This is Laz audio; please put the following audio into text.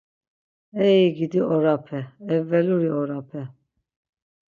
Oy gidi orape, evveluri orape.